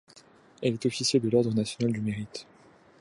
Elle est officier de l'Ordre national du Mérite.